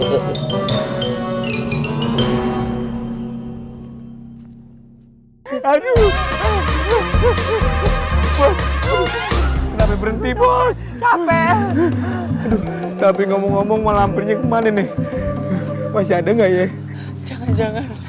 tapi berhenti bos capek tapi ngomong ngomong malam punya kemana nih masih ada enggak ya jangan jangan